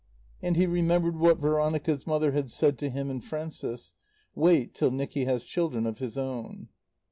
And he remembered what Veronica's mother had said to him and Frances: "Wait till Nicky has children of his own."